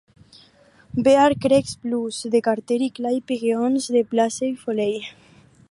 "Bear Creek Blues" de Carter y "Clay Pigeons" de Blaze Foley.